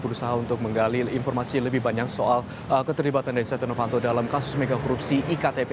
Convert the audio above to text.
berusaha untuk menggali informasi lebih banyak soal keterlibatan dari setia novanto dalam kasus megakorupsi iktp